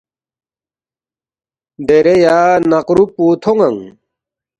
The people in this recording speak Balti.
”دیرے یا نقرُوب پو تھون٘نگ